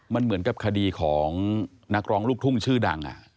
มันเหมือนกับคดีของนักร้องลูกทุ่งชื่อดัง